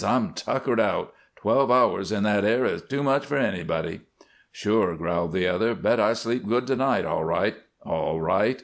I'm tuckered out. Twelve hours in that air is too much for anybody." "Sure," growled the other. "Bet I sleep good to night, all right, all right.